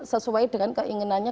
sesuai dengan keinginannya